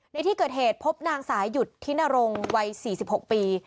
ในที่เกิดเหตุพบนางสายหยุดธินรงวัย๔๖ปี